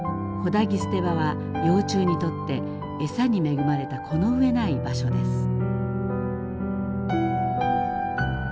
榾木捨て場は幼虫にとって餌に恵まれたこのうえない場所です。